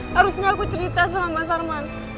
harusnya aku cerita sama mas arman